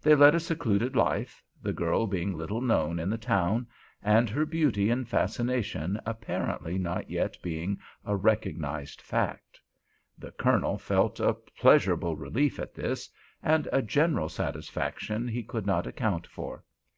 They led a secluded life; the girl being little known in the town, and her beauty and fascination apparently not yet being a recognized fact. The Colonel felt a pleasurable relief at this, and a general satisfaction he could not account for.